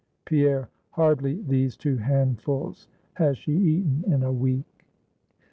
Pierre, hardly these two handfuls has she eaten in a week."